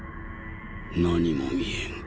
何も見えん。